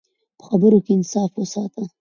په خبرو کې انصاف وساته.